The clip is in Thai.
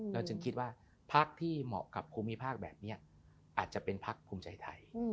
จึงคิดว่าพักที่เหมาะกับภูมิภาคแบบนี้อาจจะเป็นพักภูมิใจไทย